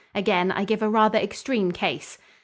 Again I give a rather extreme case.